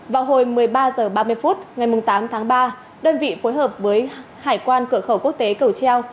vào hồi một mươi ba h ba mươi phút ngày tám tháng ba đơn vị phối hợp với hải quan cửa khẩu quốc tế cầu treo